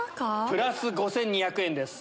プラス５２００円です。